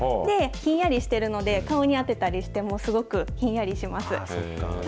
ひんやりしてるので、顔に当てたりしても、すごくひんやりします。